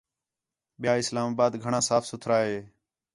ٻِیا اِسلام آباد گھݨاں صاف سُتھرا ہے